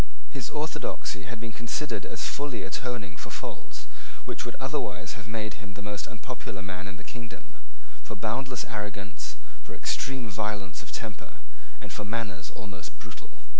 His orthodoxy had been considered as fully atoning for faults which would otherwise have made him the most unpopular man in the kingdom, for boundless arrogance, for extreme violence of temper, and for manners almost brutal.